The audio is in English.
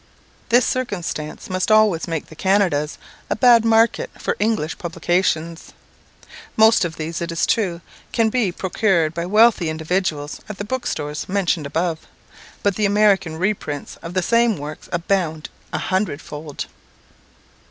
This circumstance must always make the Canadas a bad market for English publications. Most of these, it is true, can be procured by wealthy individuals at the book stores mentioned above, but the American reprints of the same works abound a hundred fold.